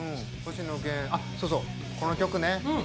この曲ね。